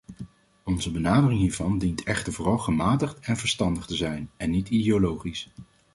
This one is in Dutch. Onze benadering hiervan dient echter vooral gematigd en verstandig te zijn, en niet ideologisch.